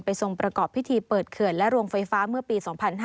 ทรงประกอบพิธีเปิดเขื่อนและโรงไฟฟ้าเมื่อปี๒๕๕๙